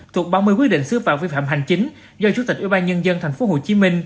thuộc ba mươi quyết định xứ phạm vi phạm hành chính do chủ tịch ủy ban nhân dân tp hcm